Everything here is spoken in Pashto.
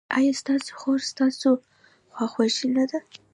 ایا ستاسو خور ستاسو خواخوږې نه ده؟